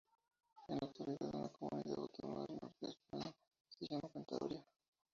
En la actualidad, una Comunidad Autónoma del norte de España se llama Cantabria.